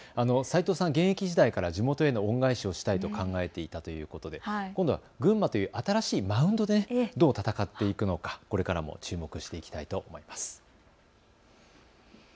斎藤さん、現役時代から地元への恩返しをしたいと考えていたということで今度は群馬という新しいマウンドでどう戦っていくのかこれからも注目していきたいと思います。